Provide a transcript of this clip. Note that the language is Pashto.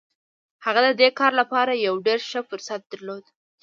هغه د دې کار لپاره يو ډېر ښه فرصت درلود.